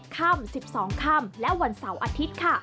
ค่ำ๑๒ค่ำและวันเสาร์อาทิตย์ค่ะ